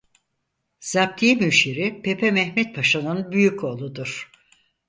Zaptiye Müşiri Pepe Mehmed Paşa'nın büyük oğludur.